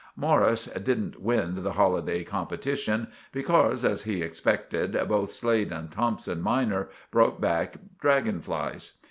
Morris didn't win the holiday competishun becorse, as he expected, both Slade and Thompson minor brort back draggon flies.